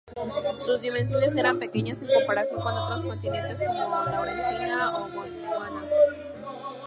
Sus dimensiones eran pequeñas en comparación con otros continentes como Laurentia o Gondwana.